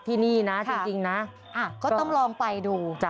ที่นี่น่ะจริงจริงน่ะอ่ะก็ต้องลองไปดูจ้ะ